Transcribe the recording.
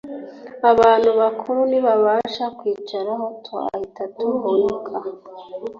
abantu bakuru ntibabasha kutwicaraho twahita tuvunika